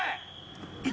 １。